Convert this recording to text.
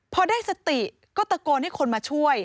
พอได้สติก็ตะโกนให้คนมาช่วย